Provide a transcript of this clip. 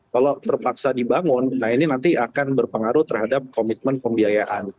kalau terpaksa dibangun nah ini nanti akan berpengaruh terhadap komitmen pembiayaan